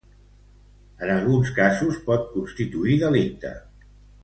En alguns casos pot constituir delicte.